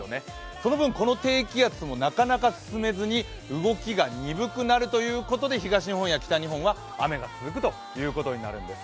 その分、この低気圧もなかなか進めずに動きが鈍くなるということで、東日本や北日本は雨が続くということになるんです。